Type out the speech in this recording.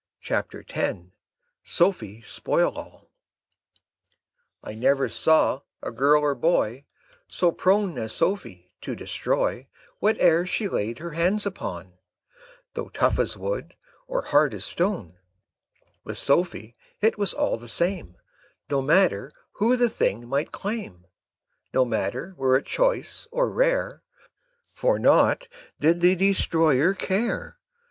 SOPHIE SPOILALL I never saw a girl or boy So prone as Sophie to destroy Whate'er she laid her hands upon, Though tough as wood, or hard as stone; With Sophie it was all the same, No matter who the thing might claim, No matter were it choice or rare, For naught did the destroyer care.